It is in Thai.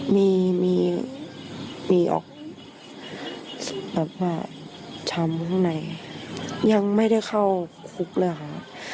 มีมีออกแบบว่าทำข้างในยังไม่ได้เข้าคุกเลยค่ะ